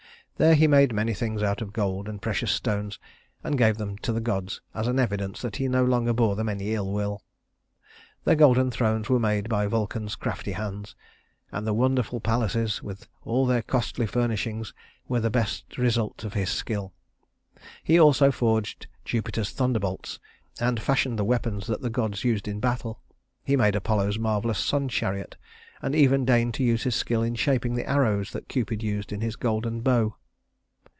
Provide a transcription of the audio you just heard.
There he made many things out of gold and precious stones and gave them to the gods as an evidence that he no longer bore them any ill will. Their golden thrones were made by Vulcan's crafty hands, and the wonderful palaces, with all their costly furnishings, were the best result of his skill. He also forged Jupiter's thunderbolts and fashioned the weapons that the gods used in battle. He made Apollo's marvelous sun chariot, and even deigned to use his skill in shaping the arrows that Cupid used in his golden bow.